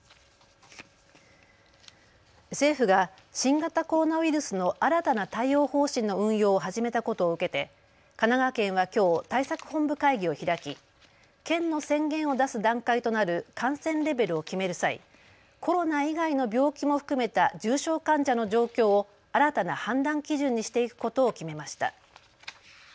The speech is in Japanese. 政府が新型コロナウイルスの新たな対応方針の運用を始めたことを受けて神奈川県はきょう対策本部会議を開き県の宣言を出す段階となる感染レベルを決める際、コロナ以外の病気も含めた重症患者の状況を新たな判断基準にしていくことを決めました。